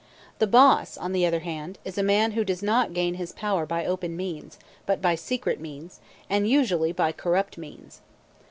The boss, on the other hand, is a man who does not gain his power by open means, but by secret means, and usually by corrupt means.